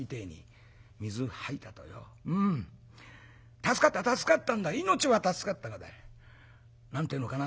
助かった助かったんだ命は助かったがだ何て言うのかな